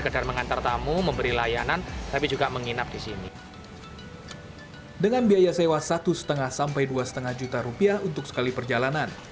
dengan biaya sewa satu lima sampai dua lima juta rupiah untuk sekali perjalanan